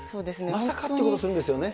まさかということをするんですよね。